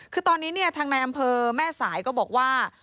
คือตอนนี้เนี่ยทางในอำเภอแม่สายก็บอกว่า